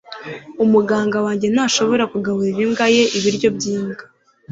Umuganga wanjye ntashobora kugaburira imbwa ye ibiryo byimbwa